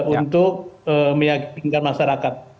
untuk meyakinkan masyarakat